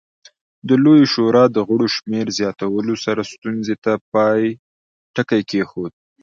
د لویې شورا د غړو شمېر زیاتولو سره ستونزې ته پای ټکی کېښود